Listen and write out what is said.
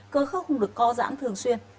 cơ khớp không được co giãn thường xuyên